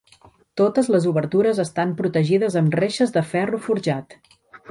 Totes les obertures estan protegides amb reixes de ferro forjat.